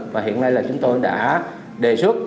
và hiện nay là chúng tôi đã đề xuất